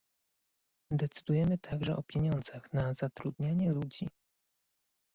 Decydujemy także o pieniądzach na zatrudnianie ludzi